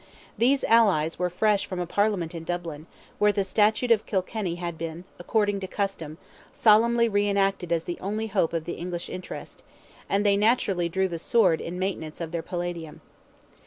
These allies were fresh from a Parliament in Dublin, where the Statute of Kilkenny had been, according to custom, solemnly re enacted as the only hope of the English interest, and they naturally drew the sword in maintenance of their palladium.